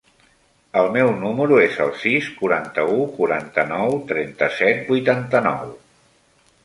El meu número es el sis, quaranta-u, quaranta-nou, trenta-set, vuitanta-nou.